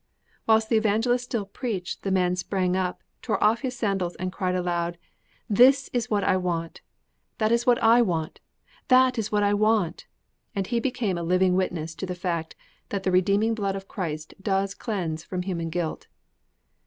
Whilst the evangelist still preached, the man sprang up, tore off his sandals, and cried aloud: "That is what I want! That is what I want!" And he became a living witness to the fact that the redeeming blood of Christ does cleanse from human guilt.'